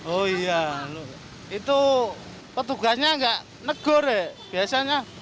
oh iya itu petugasnya nggak negur ya biasanya